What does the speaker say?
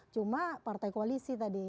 cuma partai koalisi tadi